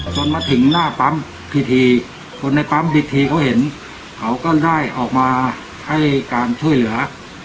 จนมาถึงหน้าปั๊มพิธีคนในปั๊มพิธีเขาเห็นเขาก็ได้ออกมาให้การช่วยเหลือ